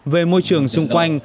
về môi trường xung quanh